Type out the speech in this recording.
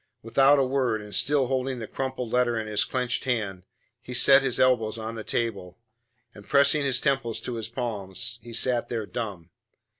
Without a word, and still holding the crumpled letter in his clenched hand, he set his elbows on the table, and, pressing his temples to his palms, he sat there dumb.